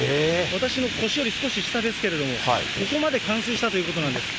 私の腰より少し下ですけれども、ここまで冠水したということなんです。